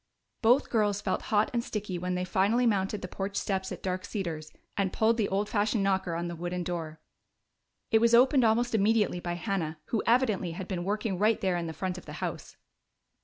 Both girls felt hot and sticky when they finally mounted the porch steps at Dark Cedars and pulled the old fashioned knocker on the wooden door. It was opened almost immediately by Hannah, who evidently had been working right there in the front of the house.